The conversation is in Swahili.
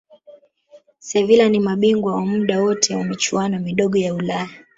sevila ni mabingwa wa muda wote wa michuano midogo ya ulaya